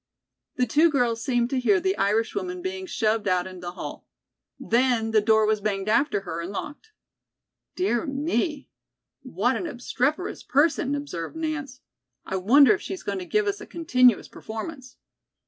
The two girls seemed to hear the Irish woman being shoved out in the hall. Then the door was banged after her and was locked. "Dear me, what an obstreperous person," observed Nance. "I wonder if she's going to give us a continuous performance."